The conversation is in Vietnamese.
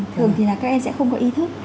thường thì là các em sẽ không có ý thức